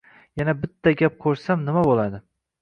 yana bitta gap qo'shsam nima bo'ladi?